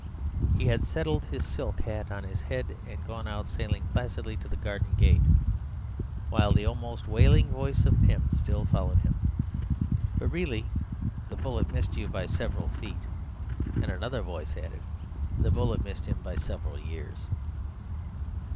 He had settled his silk hat on his head and gone out sailing placidly to the garden gate, while the almost wailing voice of Pym still followed him: "But really the bullet missed you by several feet." And another voice added: "The bullet missed him by several years."